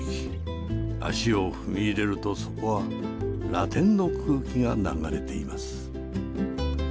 足を踏み入れるとそこはラテンの空気が流れています。